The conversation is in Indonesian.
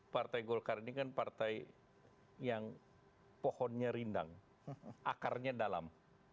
partai golkar ini kan partai yang pohonnya rindang akarnya dalam